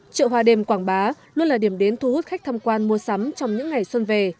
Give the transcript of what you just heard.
chợ hoa đêm quảng bá luôn là điểm đến thu hút khách tham quan mua sắm trong những ngày xuân về